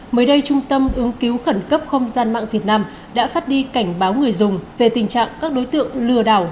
mới đây trung tâm ứng cứu khẩn cấp không gian mạng việt nam đã phát đi cảnh báo người dùng về tình trạng các đối tượng lừa đảo